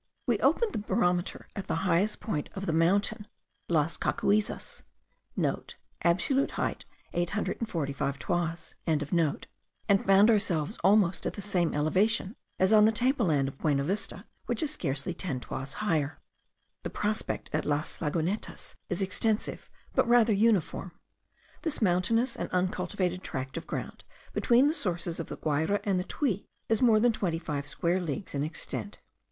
We opened the barometer at the highest point of the mountain Las Cocuyzas,* (* Absolute height 845 toises.) and found ourselves almost at the same elevation as on the table land of Buenavista, which is scarcely ten toises higher. The prospect at Las Lagunetas is extensive, but rather uniform. This mountainous and uncultivated tract of ground between the sources of the Guayra and the Tuy is more than twenty five square leagues in extent.